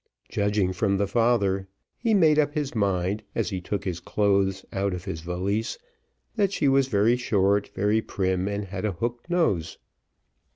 Judging from the father, he made up his mind, as he took his clothes out of his valise, that she was very short, very prim, and had a hooked nose.